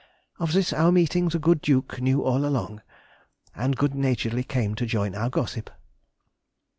Of this our meeting the good Duke knew all along, and good naturedly came to join our gossip.